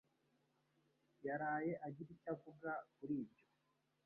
yaraye agira icyo avuga kuri ibyo.